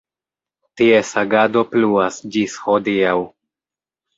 Ties agado pluas ĝis hodiaŭ.